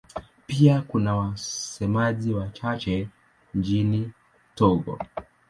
Pia kuna wasemaji wachache nchini Togo.